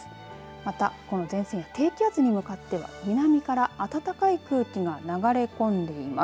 また、この前線や低気圧に向かっては南から暖かい空気が流れ込んでいます。